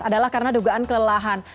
adalah karena dugaan kelelahan